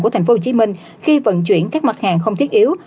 của tp hcm khi vận chuyển các mặt hàng không thiết yếu